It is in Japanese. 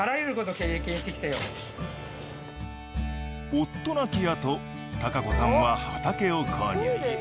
夫亡きあと孝子さんは畑を購入。